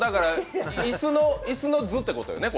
椅子の図ってことよね？